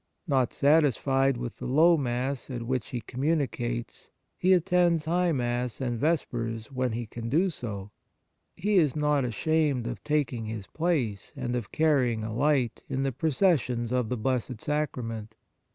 Not satisfied with the Low Mass at which he com municates, he attends High Mass and Vespers when he can do so. He is not ashamed of taking his place, and of carrying a light, in the processions of the Blessed Sacrament.